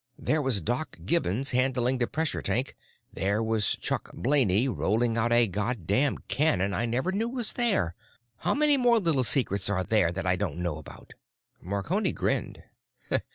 There was Doc Gibbons handling the pressure tank, there was Chunk Blaney rolling out a God damned cannon I never knew was there—how many more little secrets are there that I don't know about?" Marconi grinned.